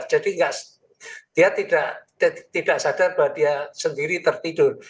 jadi dia tidak sadar bahwa dia sendiri tertidur